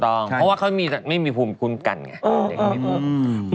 เพราะว่าเขาไม่มีภูมิคุ้มกันไง